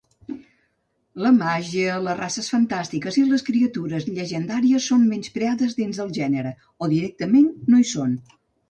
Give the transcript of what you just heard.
La màgia, les races fantàstiques i les criatures llegendàries són menyspreades dins del gènere, o directament no hi són.